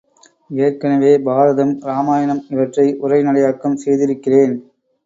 ஏற்கனவே பாரதம் இராமாயணம் இவற்றை உரை நடையாக்கம் செய்திருக்கிறேன்.